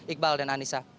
iqbal dan anissa